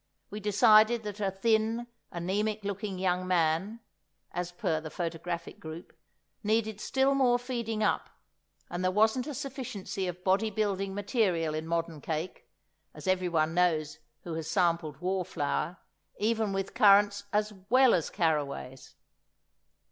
We decided that a thin, anæmic looking young man (as per the photographic group) needed still more feeding up, and there wasn't a sufficiency of body building material in modern cake, as everyone knows who has sampled war flour, even with currants as well as carraways.